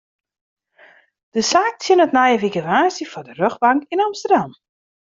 De saak tsjinnet nije wike woansdei foar de rjochtbank yn Amsterdam.